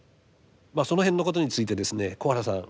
その辺のことについてですね小原さん